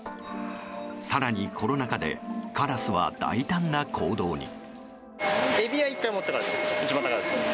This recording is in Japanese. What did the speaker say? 更に、コロナ禍でカラスは大胆な行動に。